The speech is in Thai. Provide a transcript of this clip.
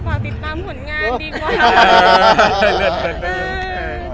แต่ว่าคนเข้าใจไม่อีกเรื่องนี้กันเยอะ